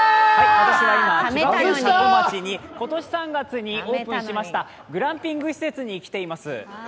私は今、千葉県多古町に今年３月にオープンしましたグランピング施設に来ています。